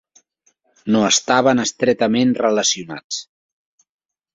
No estaven estretament relacionats.